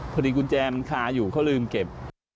กุญแจมันคาอยู่เขาลืมเก็บ